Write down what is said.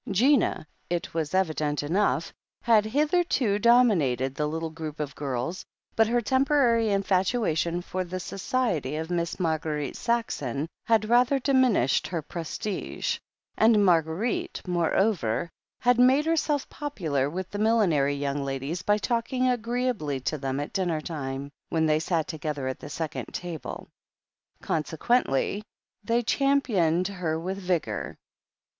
Gina, it was evident enough, had hitherto dominated the little group of girls, but her temporary infatuation for the society of Miss Marguerite Saxon had rather diminished her prestige, and Marguerite, moreover, had made herself popular with the millinery young ladies by talking agreeably to them at dinner time, when they sat together at the second table. Conse quently they championed her with vigour.